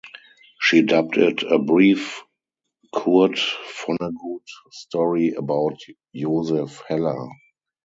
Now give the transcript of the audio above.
She dubbed it "a brief Kurt Vonnegut story about Joseph Heller".